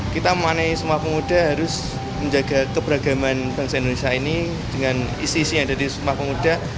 kita mengenai sumpah pemuda harus menjaga keberagaman bangsa indonesia ini dengan isi isi yang ada di sumpah pemuda